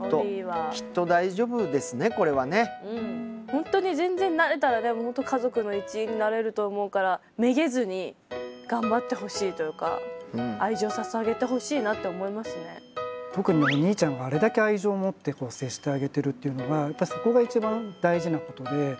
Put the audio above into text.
本当に全然慣れたらでも本当家族の一員になれると思うからめげずに頑張ってほしいというか特にお兄ちゃんがあれだけ愛情を持って接してあげているっていうのがそこが一番大事なことで。